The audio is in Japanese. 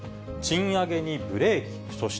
賃上げにブレーキ。